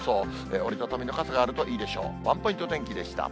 折り畳みの傘があるといいでしょう。